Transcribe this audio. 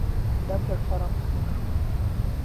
دا پلېټفارم پراخ شو.